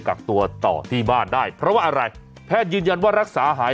กักตัวต่อที่บ้านได้เพราะว่าอะไรแพทย์ยืนยันว่ารักษาหาย